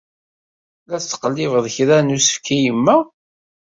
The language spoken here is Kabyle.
La d-ttqellibeɣ kra n usefk i yemma.